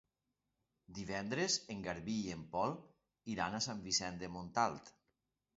Divendres en Garbí i en Pol iran a Sant Vicenç de Montalt.